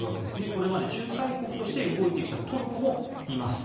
これまで仲裁国として動いてきたトルコもいます。